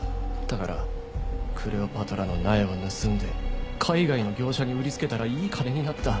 だからクレオパトラの苗を盗んで海外の業者に売りつけたらいい金になった。